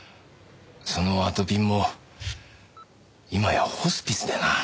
そのあとぴんも今やホスピスでな。